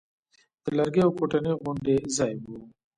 د لرګيو کوټنۍ غوندې ځاى و.